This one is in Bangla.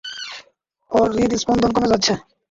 ওর হৃদস্পন্দন কমে যাচ্ছে।